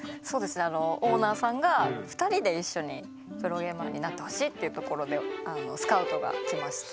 オーナーさんが２人で一緒にプロゲーマーになってほしいっていうところでスカウトがきまして。